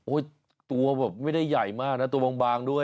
ตัวแบบไม่ได้ใหญ่มากนะตัวบางด้วย